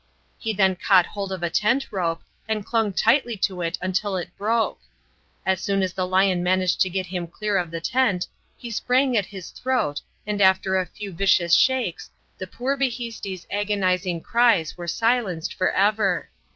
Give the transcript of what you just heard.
He then caught hold of a tent rope, and clung tightly to it until it broke. As soon as the lion managed to get him clear of the tent, he sprang at his throat and after a few vicious shakes the poor bhisti's agonising cries were silenced for ever.